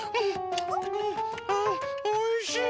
おいしい！